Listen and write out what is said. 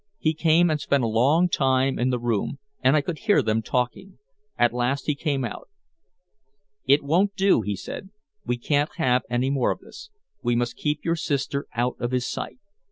He came and spent a long time in the room, and I could hear them talking. At last he came out. "It won't do," he said. "We can't have any more of this. We must keep your sister out of his sight.